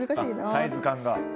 サイズ感が。